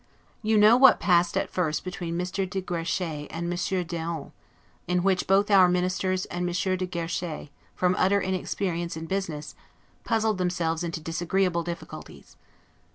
You know what passed at first between Mr. de Guerchy and Monsieur d'Eon, in which both our Ministers and Monsieur de Guerchy, from utter inexperience in business, puzzled themselves into disagreeable difficulties.